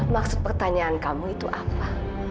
maksud pertanyaan kamu itu apa